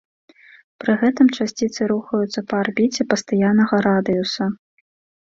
Пры гэтым часціцы рухаюцца па арбіце пастаяннага радыуса.